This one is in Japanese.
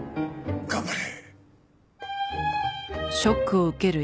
頑張れ。